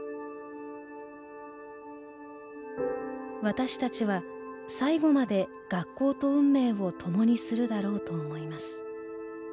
「私達は最後まで学校と運命を共にするだろうと思います」。